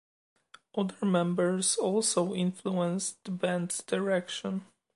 Other members also influenced the band's direction.